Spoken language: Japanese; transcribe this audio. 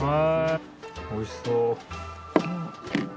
おいしそう。